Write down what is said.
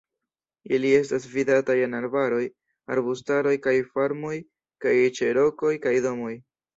Ili estas vidataj en arbaroj, arbustaroj kaj farmoj kaj ĉe rokoj kaj domoj.